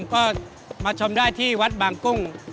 ก็มาชมได้ที่วัดบางกุ้ง